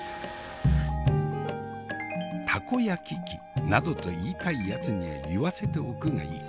たこ焼き器などと言いたいやつには言わせておくがいい。